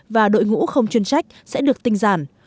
và đội ngũ không chuyên trách sẽ được tinh giản